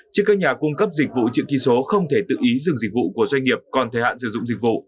chứ các nhà cung cấp dịch vụ chữ ký số không thể tự ý dừng dịch vụ của doanh nghiệp còn thời hạn sử dụng dịch vụ